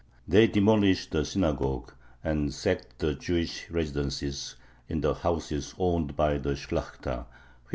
They demolished the synagogue, and sacked the Jewish residences in the houses owned by the Shlakhta (1592).